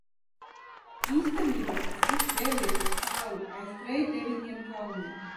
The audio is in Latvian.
Īstenībā tas viss vēl ir tik tālu aiz trejdeviņiem kalniem.